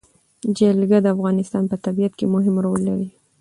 جلګه د افغانستان په طبیعت کې مهم رول لري.